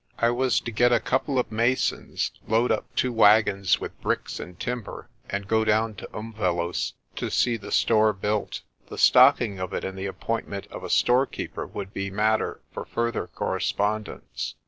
I was to get a couple of masons, load up two wagons with bricks and timber, and go down to Umvelos' and see the store built. The stocking of it and the appointment of a storekeeper would be matter for further correspondence.